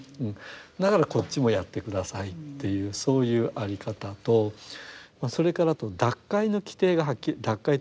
だからこっちもやって下さいっていうそういう在り方とそれから脱会の規定がはっきりしてる。